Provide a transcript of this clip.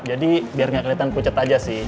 jadi biar gak kelihatan pucet aja sih